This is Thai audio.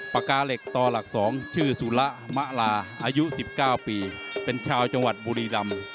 ปากกาเหล็กต่อหลัก๒ชื่อสุระมะลาอายุ๑๙ปีเป็นชาวจังหวัดบุรีรำ